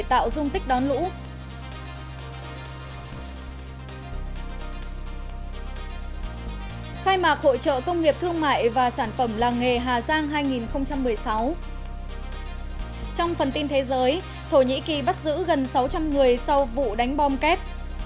thổ nhĩ kỳ bắt giữ gần sáu trăm linh người sau vụ đánh bom kép